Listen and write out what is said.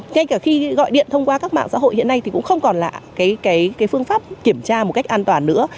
ngay cả khi gọi điện thông qua các mạng xã hội hiện nay thì cũng không còn là phương pháp kiểm tra một cách an toàn nữa